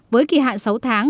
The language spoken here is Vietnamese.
với kỳ hạn sáu tháng